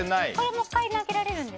もう１回投げられます。